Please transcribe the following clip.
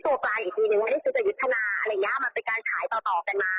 ไม่ได้ซื้อตัวยุทธนามันเป็นการขายต่อกันมา